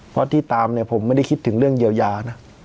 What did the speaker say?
เพราะที่ตามเนี่ยผมไม่ได้คิดถึงเรื่องเยียวยานะ